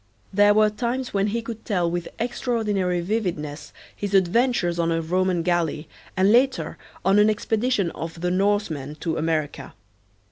There were times when he could tell with extraordinary vividness his adventures on a Roman galley and later on an expedition of the Norsemen to America.